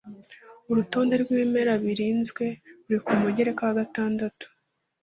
Urutonde rw ibimera birinzwe ruri ku mugereka wa gatandatu